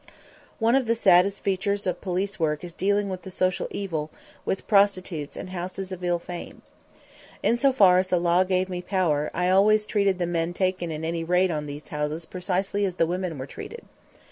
One of the saddest features of police work is dealing with the social evil, with prostitutes and houses of ill fame. In so far as the law gave me power, I always treated the men taken in any raid on these houses precisely as the women were treated.